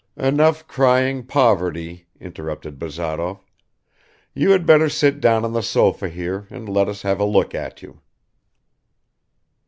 "Enough crying poverty," interrupted Bazarov. "You had better sit down on the sofa here and let us have a look at you."